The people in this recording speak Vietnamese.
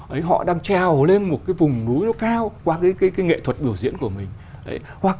ấy họ đang treo lên một cái vùng núi nó cao qua cái cái cái nghệ thuật biểu diễn của mình đấy hoặc